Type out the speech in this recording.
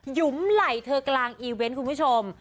หุมไหล่เธอกลางอีเวนต์คุณผู้ชม